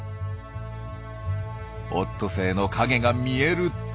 オットセイの影が見えると。